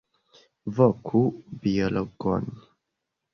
Voku biologon!